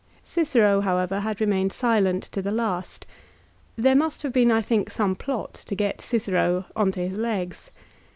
Cicero, however, had remained silent to the last. There must have been, I think, some plot to get Cicero on to his legs.